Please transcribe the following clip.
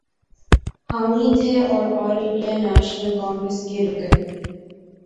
حامی تھے اور آل انڈیا نیشنل کانگریس کے رکن